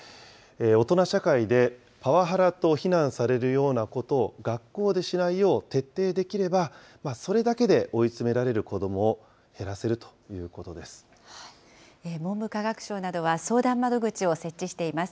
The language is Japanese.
大人社会でパワハラと非難されるようなことを、学校でしないよう徹底できれば、それだけで追い詰められる子ども文部科学省などは、相談窓口を設置しています。